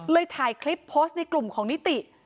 ถ่ายคลิปโพสต์ในกลุ่มของนิติ